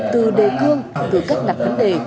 từ đề cương từ các đặt vấn đề